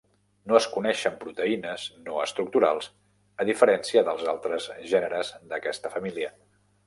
No es coneixen proteïnes no estructurals a diferència dels altres gèneres d'aquesta família.